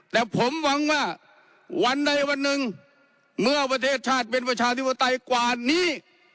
แต่ผมหวังว่าวันใดวันหนึ่งเมื่อประเทศชาติเป็นประชาธิปไตยกว่านี้